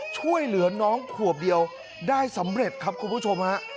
ช่วยเหลือน้องขวบเดียวได้สำเร็จครับคุณผู้ชมฮะ